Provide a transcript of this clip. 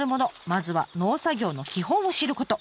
まずは農作業の基本を知ること。